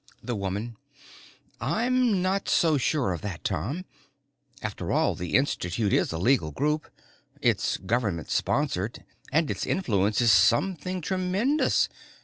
The woman: "I'm not so sure of that, Tom. After all, the Institute is a legal group. It's government sponsored and its influence is something tremendous.